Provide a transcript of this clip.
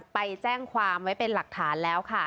ไปแจ้งความไว้เป็นหลักฐานแล้วค่ะ